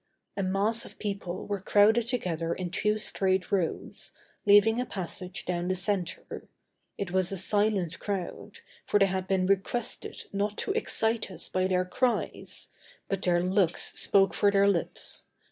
A mass of people were crowded together in two straight rows, leaving a passage down the center. It was a silent crowd, for they had been requested not to excite us by their cries, but their looks spoke for their lips.